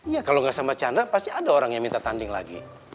ya kalau nggak sama chandra pasti ada orang yang minta tanding lagi